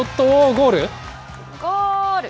ゴール。